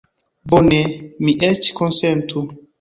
Bone, mi eĉ konsentu.